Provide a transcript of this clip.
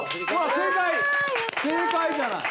正解じゃない。